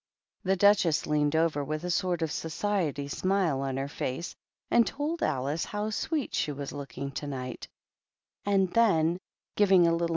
The Duchess leaned over with a sort of society smile on her face, and told Alice how sweet she was looking to night, and then, giving a little Is q 21 242 THE OBEAT OCCASION.